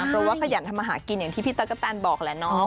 เพราะว่าขยันทำมาหากินอย่างที่พี่ตั๊กกะแตนบอกแหละน้อง